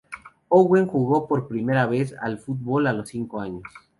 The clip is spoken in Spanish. Owen jugó por primera vez al fútbol a los cinco años.